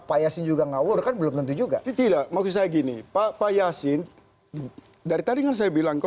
payasin juga ngawur kan belum tentu juga tidak mau saya gini pak payasin dari tadi kan saya bilang